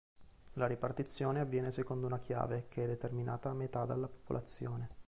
La ripartizione avviene secondo una chiave che è determinata a metà dalla popolazione.